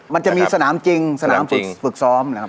มันจะมีสนามจริงสนามฝึกซ้อม